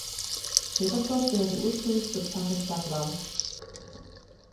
Strebersdorf gehörte ursprünglich zur Pfarre Stadlau.